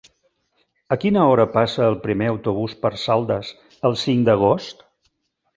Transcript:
A quina hora passa el primer autobús per Saldes el cinc d'agost?